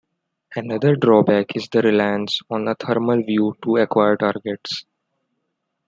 Another drawback is the reliance on a thermal view to acquire targets.